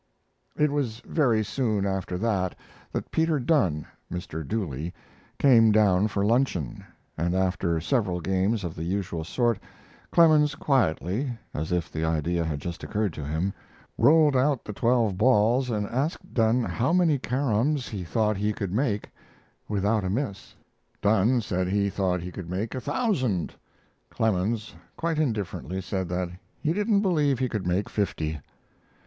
It was very soon after that that Peter Dunne ("Mr. Dooley") came down for luncheon, and after several games of the usual sort, Clemens quietly as if the idea had just occurred to him rolled out the twelve balls and asked Dunne how, many caroms he thought he could make without a miss. Dunne said he thought he could make a thousand. Clemens quite indifferently said that he didn't believe he could make fifty.